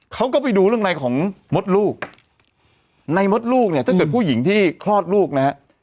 เขาก็ไปดูเรื่องในของมดลูกในมดลูกเนี่ยถ้าเกิดผู้หญิงที่คลอดลูกนะฮะ